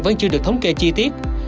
vẫn chưa được thống kê chi tiết